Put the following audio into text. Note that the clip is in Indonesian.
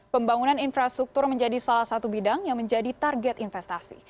pembangunan infrastruktur menjadi salah satu bidang yang menjadi target investasi